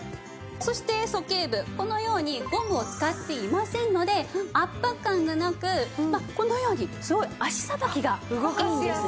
そしてそけい部このようにゴムを使っていませんので圧迫感がなくこのようにすごい脚さばきがいいんですね。